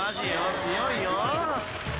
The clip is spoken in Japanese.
強いよ］